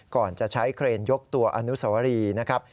ก่อนจะใช้เครนยกตัวอนุสวรีนะครับ